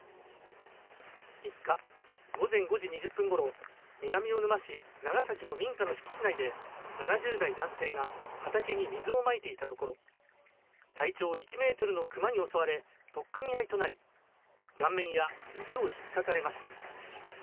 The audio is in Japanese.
３日午前５時２０分ごろ、南魚沼市長崎の民家の敷地内で、７０代男性が畑に水をまいていたところ、体長１メートルのクマに襲われ、取っ組み合いとなり、顔面や腕をひっかかれました。